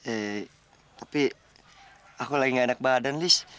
eh tapi aku lagi gak enak badan lis